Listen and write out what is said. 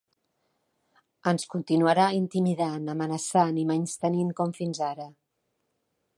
Ens continuarà intimidant, amenaçant i menystenint com fins ara.